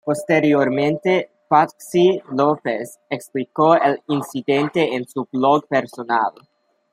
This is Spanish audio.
Posteriormente, Patxi López explicó el incidente en su blog personal.